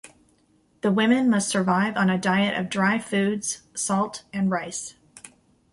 The women must survive on a diet of dry foods, salt, and rice.